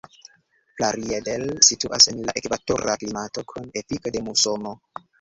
Plaridel situas en la ekvatora klimato kun efiko de musono.